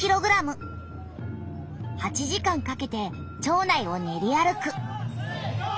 ８時間かけて町内を練り歩く。